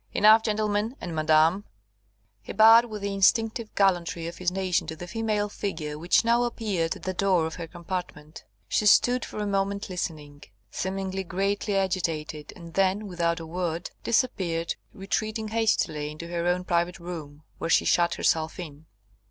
Enough, gentlemen and madame" He bowed with the instinctive gallantry of his nation to the female figure which now appeared at the door of her compartment. She stood for a moment listening, seemingly greatly agitated, and then, without a word, disappeared, retreating hastily into her own private room, where she shut herself in.